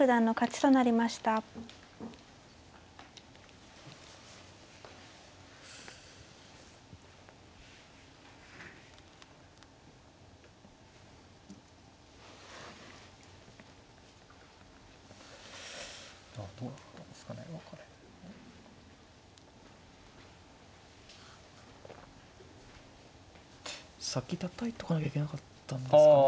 先たたいとかなきゃいけなかったんですかね。